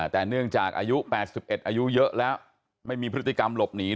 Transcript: แต่เนื่องจากอายุ๘๑อายุเยอะแล้วไม่มีพฤติกรรมหลบหนี